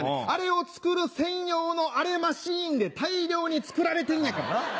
あれを作る専用のあれマシンで大量に作られてんねやから。